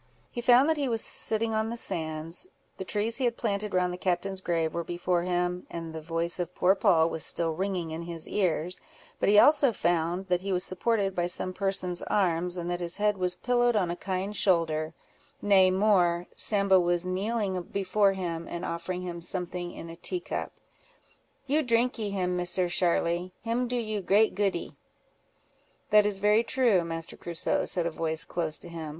He found that he was sitting on the sands, the trees he had planted round the captain's grave were before him, and the voice of poor Poll was still ringing in his ears; but he also found that he was supported by some person's arms, and that his head was pillowed on a kind shoulder; nay more, Sambo was kneeling before him, and offering him something in a tea cup. "You drinkee him, Misser Sharly; him do you great goodee." "That is very true, Master Crusoe," said a voice close to him.